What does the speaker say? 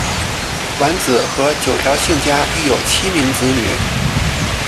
完子和九条幸家育有七名子女。